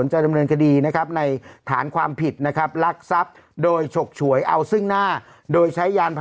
สุดยอดเอ๊ะให้๕บาทของรถเมฆใหญ่ไหม